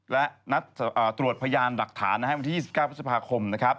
และนัดตรวจพยานหลักฐานวันที่๒๙พฤษภาคมนะครับ